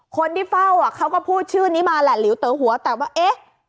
คนที่เฝ้าอ่ะเขาก็พูดชื่อนี้มาแหละหลิวเต๋อหัวแต่ว่าเอ๊ะ